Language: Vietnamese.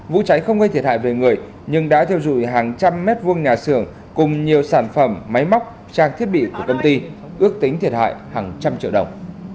vụ cháy không gây thiệt hại về người nhưng đã thiêu dụi hàng trăm mét vuông nhà xưởng cùng nhiều sản phẩm máy móc trang thiết bị của công ty ước tính thiệt hại hàng trăm triệu đồng